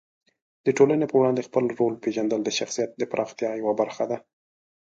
د ټولنې په وړاندې خپل رول پېژندل د شخصیت د پراختیا یوه برخه ده.